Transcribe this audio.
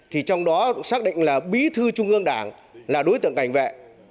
thì trong đó xác định là bí thư trung ương đảng là đối tượng cảnh vệ